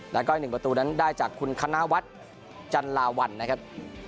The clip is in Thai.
แล้วก็อีก๑ประตูนั้นได้จากคุณคณะวัดจันลาวัลนะครับ